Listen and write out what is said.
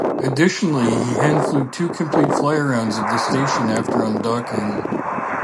Additionally, he handflew two complete flyarounds of the station after undocking.